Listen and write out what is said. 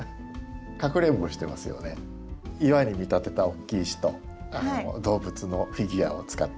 岩に見立てた大きい石と動物のフィギュアを使って。